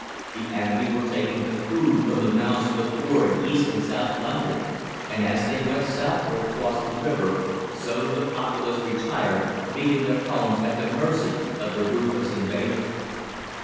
The enemy were taking the food from the mouths of the poor in East and South London, and as they went southward across the river, so the populace retired, leaving their homes at the mercy of the ruthless invader.